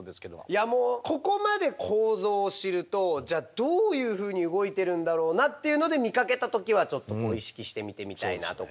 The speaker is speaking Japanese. いやもうここまで構造を知るとじゃあどういうふうに動いてるんだろうなっていうので見かけた時はちょっと意識して見てみたいなとか。